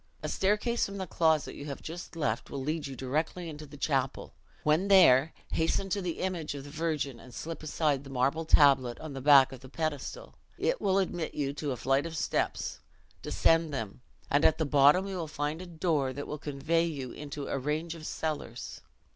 A staircase from the closet you have just left will lead you directly into the chapel. When there hasten to the image of the Virgin, and slip aside the marble tablet on the back of the pedestal: it will admit you to a flight of steps; descend them, and at the bottom you will find a door, that will convey you into a range of cellars.